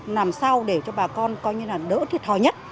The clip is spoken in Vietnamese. làm sao để cho bà con coi như là đỡ thiệt thòi nhất